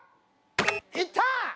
いった！